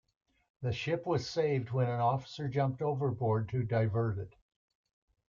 The ship was saved when an officer jumped overboard to divert it.